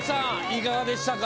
いかがでしたか？